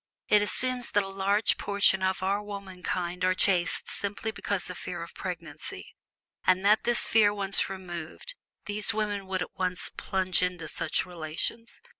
It assumes that a large portion of our womankind are chaste simply because of fear of pregnancy; and that this fear once removed these women would at once plunge into such relations.